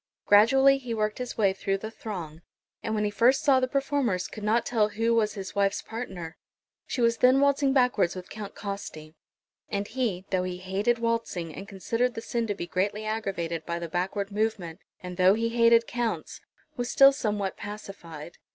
Gradually he worked his way through the throng, and when he first saw the performers could not tell who was his wife's partner. She was then waltzing backwards with Count Costi; and he, though he hated waltzing, and considered the sin to be greatly aggravated by the backward movement, and though he hated Counts, was still somewhat pacified.